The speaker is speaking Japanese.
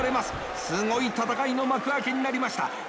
すごい戦いの幕開けになりました。